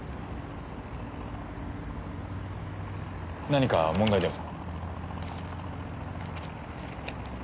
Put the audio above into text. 何か問題でも？